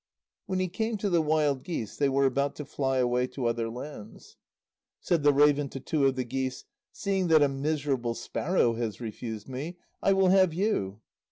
When he came to the wild geese, they were about to fly away to other lands. Said the raven to two of the geese: "Seeing that a miserable sparrow has refused me, I will have you."